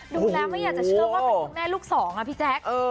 ดูแล้วไม่อยากจะเชื่อว่าเป็นคุณแม่ลูกสองอ่ะพี่แจ๊ค